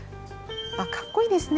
かっこいいですね。